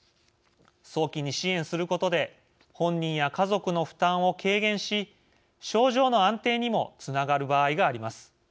早期に支援することで本人や家族の負担を軽減し症状の安定にもつながる場合があります。